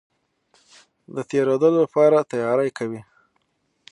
د تېرېدلو لپاره تیاری کوي.